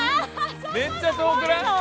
めっちゃ遠くない？